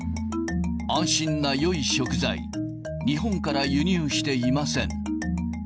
安心なよい食材、日本から輸入していません。